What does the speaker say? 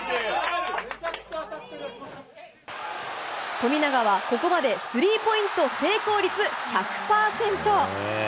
富永はここまでスリーポイント成功率１００％。